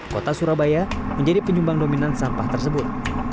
kota surabaya menjadi penyumbang dominan sampah tersebut